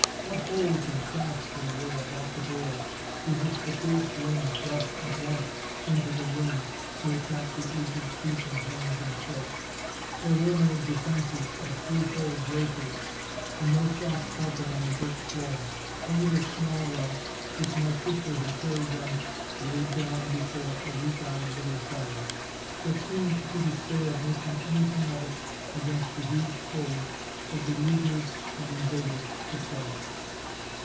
What holes and cracks there were about the door, through which the fierce wind rushed at once into the room to attack the aged feet and hands and throats! There were no defences of threefold draperies, and no soft carpet on the brick floor,—only a small rug which my sister had carried them laid down before a weak eyed little fire, that seemed to despair of making anything of it against the huge cold that beleaguered and invaded the place.